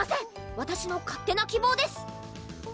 わたしの勝手な希望です